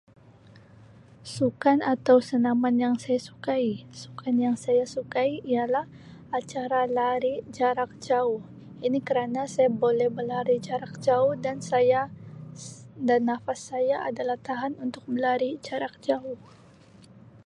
Sukan atau senaman yang saya sukai sukan yang saya sukai ialah acara lari jarak jauh ini kerena saya boleh belari jarak jauh dan saya dan nafas saya adalah tahan untuk belari jarak jauh.